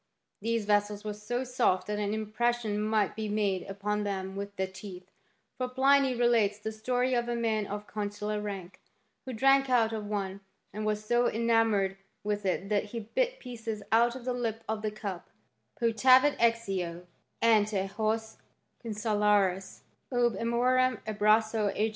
These vessels were so soft that an impression migfak be made upon them with the teeth; for Pliny relataf the story of a man of consular rank, who drank out m one, and was so enamoured with it that he bit pieoee out of the lip of the cup :" Potavit ex eo ante boi annos consularis, ob amorem abraso ejus margine^lf • FUnu Hist.